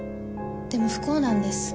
でも不幸なんです。